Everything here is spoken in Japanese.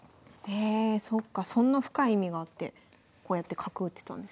えそっかそんな深い意味があってこうやって角打ってたんですね。